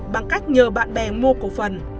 bằng cách nhờ bạn bè mua cổ phần